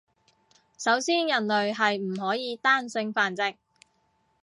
首先人類係唔可以單性繁殖